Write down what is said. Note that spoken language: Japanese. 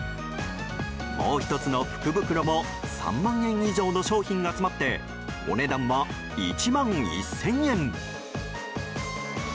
もう１つの福袋も３万円以上の商品が詰まってお値段は１万１０００円。